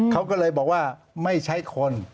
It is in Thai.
เขาก็เลยบอกว่าไม่ใช้คน